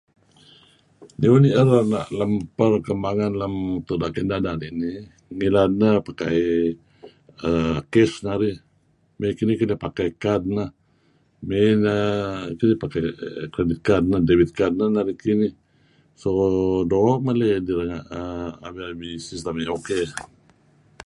Dih uih ni'er lem perkembangan lem tuda' ken dadan inih, ngilad neh pakai err cash narih, mey kinih keh pakai kad neh, mey neh kinih pakai Credit kad Debit kad neh narih kinih , so doo' meley renga' abi-abi system dih okey.